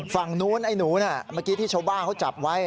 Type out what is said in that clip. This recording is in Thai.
ฝั่งนู้นไอ้หนูน่ะเมื่อกี้ที่ชาวบ้านเขาจับไว้